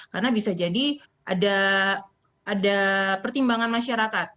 karena bisa jadi ada pertimbangan masyarakat